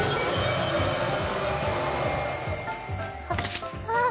あっあっ。